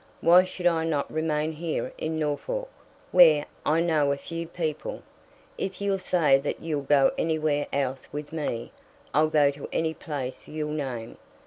Why should I not remain here in Norfolk, where I know a few people? If you'll say that you'll go anywhere else with me, I'll go to any place you'll name."